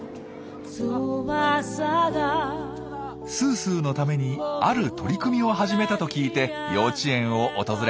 すーすーのためにある取り組みを始めたと聞いて幼稚園を訪れました。